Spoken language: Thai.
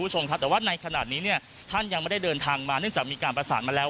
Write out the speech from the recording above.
แต่ว่าในขณะนี้ท่านยังไม่ได้เดินทางมาเนื่องจากมีการประสานมาแล้ว